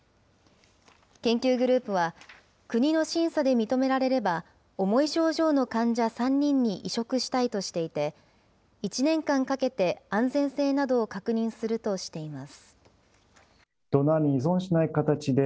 研究グループは、国の審査で認められれば、重い症状の患者３人に移植したいとしていて、１年間かけて安全性などを確認するとしています。